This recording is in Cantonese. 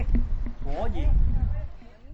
果然！